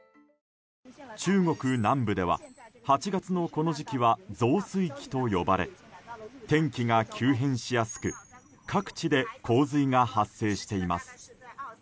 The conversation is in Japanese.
中国南部では８月のこの時期は増水期と呼ばれ天気が急変しやすく各地で洪水が発生しています。